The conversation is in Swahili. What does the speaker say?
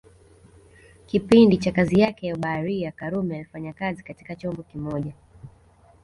Kipindi cha kazi yake ya ubaharia karume alifanya kazi katika chombo kimoja